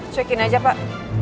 cekin aja pak